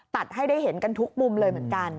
ให้ได้เห็นกันทุกมุมเลยเหมือนกัน